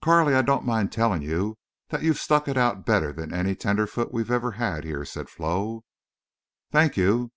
"Carley, I don't mind telling you that you've stuck it out better than any tenderfoot we ever had here," said Flo. "Thank you.